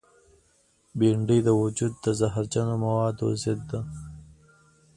بېنډۍ د وجود د زهرجنو موادو ضد ده